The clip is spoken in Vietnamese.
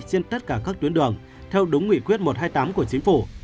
trên tất cả các tuyến đường theo đúng nghị quyết một trăm hai mươi tám của chính phủ